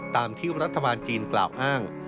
ตามที่รัฐบาลจีนกล่าวอ้าง